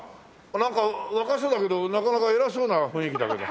なんか若そうだけどなかなか偉そうな雰囲気だけど。